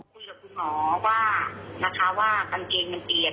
คุยกับคุณหมอว่ากางเกงมันเปรียด